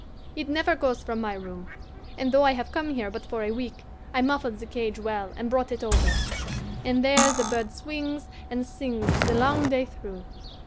It never goes from my room, and though I have come here but for a week I muffled the cage well and brought it over; and there the bird swings and sings the long day through.